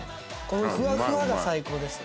このふわふわが最高です。